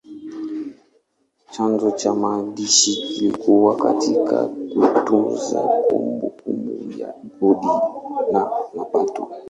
Chanzo cha maandishi kilikuwa katika kutunza kumbukumbu ya kodi na mapato.